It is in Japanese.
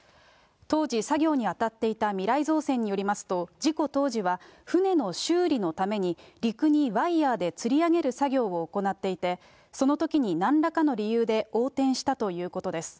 当時、作業に当たっていたみらい造船によりますと、事故当時は、船の修理のために陸にワイヤでつり上げる作業を行っていて、そのときになんらかの理由で横転したということです。